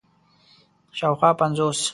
شاوخوا پنځوس